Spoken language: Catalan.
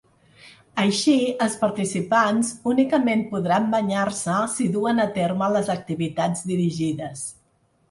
Així, els participants únicament podran banyar-se si duen a terme les activitats dirigides.